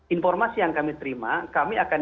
informasi yang kami terima kami akan